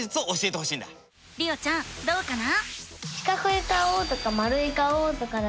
りおちゃんどうかな？